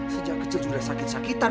sejak kecil sudah sakit sakitan